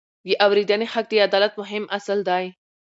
د اورېدنې حق د عدالت مهم اصل دی.